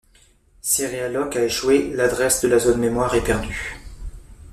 Si realloc a échoué, l'adresse de la zone mémoire est perdue.